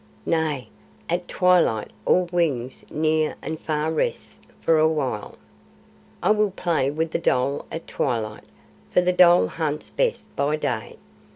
"Nay, at twilight all wings near and far rest for a while. I will play with the dhole at twilight, for the dhole hunts best by day.